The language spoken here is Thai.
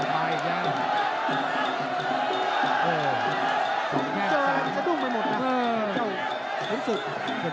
มาอีกแล้ว